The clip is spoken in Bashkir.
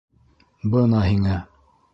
Бына һиңә...